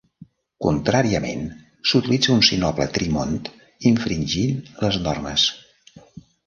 Contràriament, s"utilitza un sinople trimont infringint les normes.